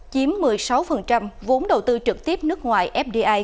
chiếm một mươi sáu vốn đầu tư trực tiếp nước ngoài fdi